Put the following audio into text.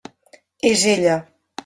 És ella.